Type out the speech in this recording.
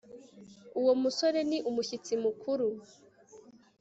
uwo musore ni umushyitsi mukuru